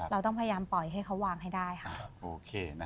เราต้องพยายามปล่อยให้เขาวางให้ได้ค่ะ